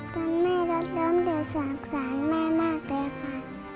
ตอนแม่รถเริ่มจะสงสารแม่มากเลยค่ะ